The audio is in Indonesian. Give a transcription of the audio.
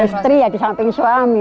istri ya di samping suami